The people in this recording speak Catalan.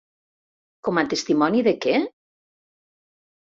Com a testimoni de què?